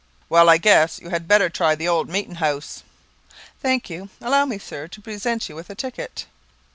"Well, I guess, you had better try the old meetin' house." "Thank you. Allow me, sir, to present you with a ticket."